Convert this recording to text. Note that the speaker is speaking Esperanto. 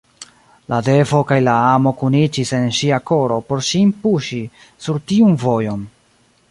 La devo kaj la amo kuniĝis en ŝia koro por ŝin puŝi sur tiun vojon.